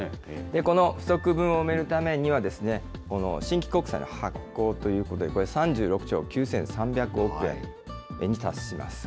この不足分を埋めるためには、新規国債の発行ということで、これ３６兆９３００億円に達します。